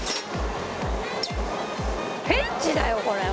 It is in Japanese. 「ペンチだよこれは」